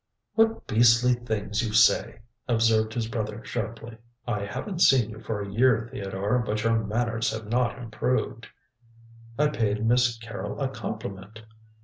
"What beastly things you say!" observed his brother sharply. "I haven't seen you for a year, Theodore, but your manners have not improved." "I paid Miss Carrol a compliment."